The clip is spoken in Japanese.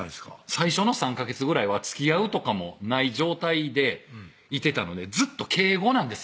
最初の３ヵ月ぐらいはつきあうとかもない状態でいてたのでずっと敬語なんです